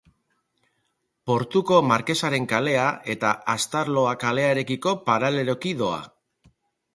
Portuko Markesaren kalea eta Astarloa kalearekiko paraleloki doa.